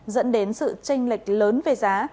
dẫn đến sự tranh lệch lớn về giá